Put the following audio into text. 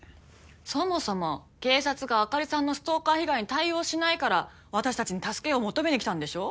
そもそも警察があかりさんのストーカー被害に対応しないから私たちに助けを求めに来たんでしょ。